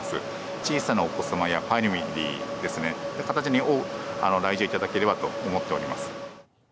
小さなお子様やファミリーですね、そういった方たちに多く来場いただければと思っております。